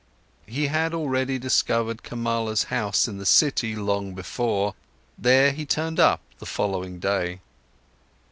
He had already discovered Kamala's house in the city long before, there he turned up the following day.